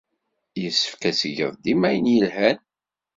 Yessefk ad tgeḍ dima ayen yelhan.